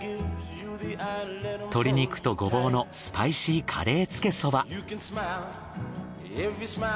鶏肉とゴボウのスパイシーカレーつけ蕎麦。